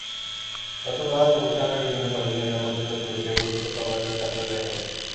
গতকাল গুলশানের বিভিন্ন সড়কে নিরাপত্তা চৌকি বসিয়ে পুলিশকে তল্লাশি চালাতে দেখা যায়।